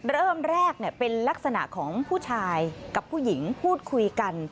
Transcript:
เริ่มแรกเป็นลักษณะของผู้ชายกับผู้หญิงพูดคุยกัน